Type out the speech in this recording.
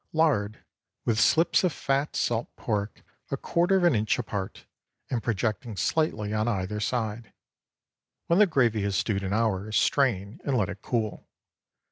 Lard with slips of fat salt pork a quarter of an inch apart, and projecting slightly on either side. When the gravy has stewed an hour, strain and let it cool.